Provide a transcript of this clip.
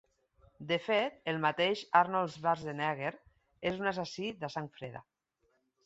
De fet, el mateix Arnold Schwarzenegger és un assassí de sang freda.